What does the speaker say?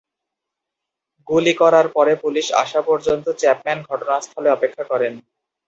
গুলি করার পরে পুলিশ আসা পর্যন্ত চ্যাপম্যান ঘটনাস্থলে অপেক্ষা করেন।